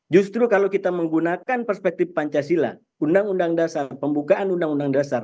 justru kalau kita menggunakan perspektif pancasila undang undang dasar pembukaan undang undang dasar